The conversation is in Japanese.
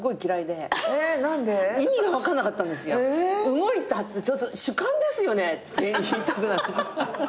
動いた主観ですよね？って言いたくなる。